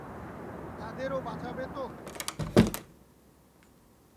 তাদেরও বাঁচাবে তো?